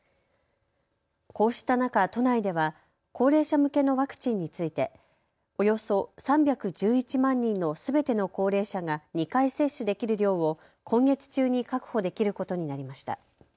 こうした中、都内では高齢者向けのワクチンについておよそ３１１万人のすべての高齢者が２回接種できる量を今月中に確保できることになりました。